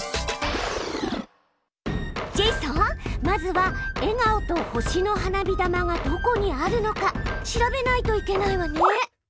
まずは笑顔と星の花火玉がどこにあるのか調べないといけないわね！